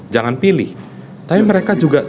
jangan pilih tapi mereka juga